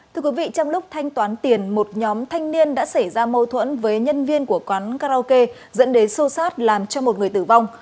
thưa quý vị trong lúc thanh toán tiền một nhóm thanh niên đã xảy ra mâu thuẫn với nhân viên của quán karaoke dẫn đến sâu sát làm cho một người tử vong